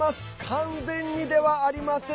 完全にではありません。